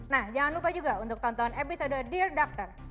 nah jangan lupa juga untuk tonton episode dear doctor